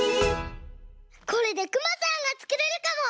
これでクマさんがつくれるかも！